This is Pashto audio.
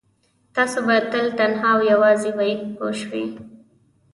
تاسو به تل تنها او یوازې وئ پوه شوې!.